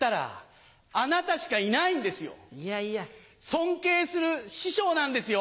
尊敬する師匠なんですよ。